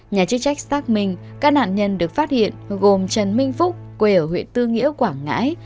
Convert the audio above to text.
nhà chức trách xác minh các nạn nhân được phát hiện gồm trần minh phúc quê ở huyện tư nghĩa quảng ngãi